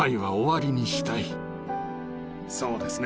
そうですね。